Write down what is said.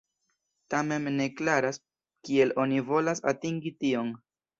Tamen ne klaras, kiel oni volas atingi tion.